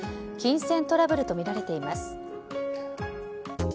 金銭トラブルとみられています。